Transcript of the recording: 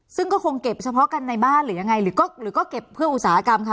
ซึ่งก็คงเก็บเฉพาะกันในบ้านหรือยังไงหรือก็หรือก็เก็บเพื่ออุตสาหกรรมค่ะ